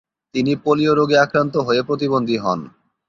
তিনি পোলিও রোগে আক্রান্ত হয়ে প্রতিবন্ধী হন।